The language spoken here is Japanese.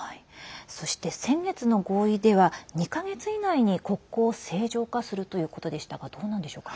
そして先月の合意では２か月以内に国交を正常化するということでしたがどうなんでしょうか。